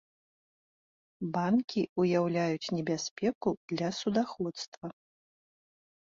Банкі ўяўляюць небяспеку для судаходства.